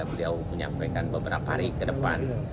beliau menyampaikan beberapa hari ke depan